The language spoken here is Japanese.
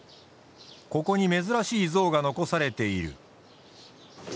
ここに珍しい像が残されている。